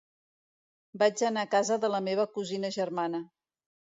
Vaig anar a casa de la meva cosina germana.